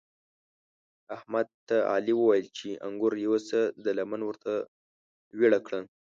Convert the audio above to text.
احمد ته علي وويل چې انګور یوسه؛ ده لمن ورته ويړه کړه.